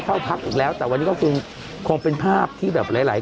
เข้าพักอีกแล้วแต่วันนี้ก็คงเป็นภาพที่แบบหลายหลาย